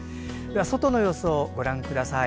外の様子をご覧ください。